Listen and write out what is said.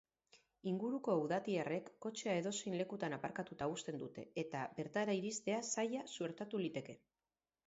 Inguruko udatiarrek kotxea edozein lekutan aparkatuta uzten dute, eta bertara iristea zaila suertatu liteke.